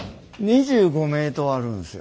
２５ｍあるんですよ。